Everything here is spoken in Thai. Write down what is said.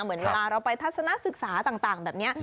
เหมือนเวลาเราไปทัศนศึกษาต่างแบบนี้